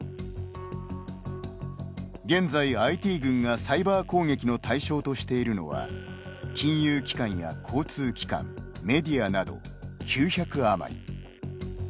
現在ＩＴ軍がサイバー攻撃の対象としているのは金融機関や交通機関メディアなど９００あまり。